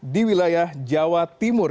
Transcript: di wilayah jawa timur